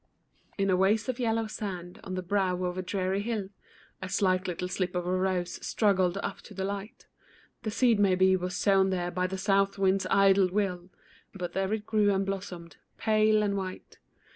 In a waste of yellow sand, on the brow of a dreary hill, A slight little slip of a rose struggled up to the light, The seed maybe was sown there by the south wind's idle will, But there it grew and blossomed, pale and white.